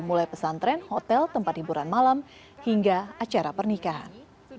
mulai pesantren hotel tempat hiburan malam hingga acara pernikahan